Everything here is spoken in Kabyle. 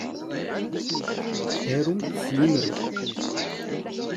Arumt s yimru.